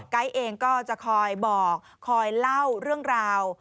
ไก๊เองก็จะคอยบอกคอยเล่าเรื่องราว